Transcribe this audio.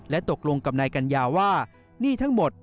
ตกลงกับนายกัญญาว่าหนี้ทั้งหมด